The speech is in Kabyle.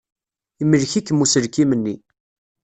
Imlek-ikem uselkim-nni.